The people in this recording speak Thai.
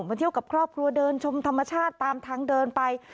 มาเที่ยวกับครอบครัวเดินชมธรรมชาติตามทางเดินไป